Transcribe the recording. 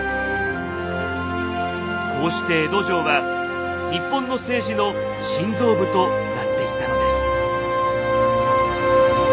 こうして江戸城は日本の政治の心臓部となっていったのです。